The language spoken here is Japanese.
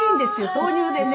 豆乳でね。